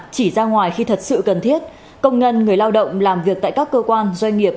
chỉ ra ngoài khi thật sự cần thiết công nhân người lao động làm việc tại các cơ quan doanh nghiệp